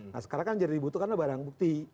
nah sekarang kan jadi dibutuhkan barang bukti